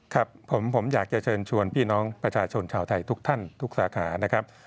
ครับผมอยากจะเชิญชวนพี่น้องประชาชนชาวไทยทุกท่านทุกสาขานะครับ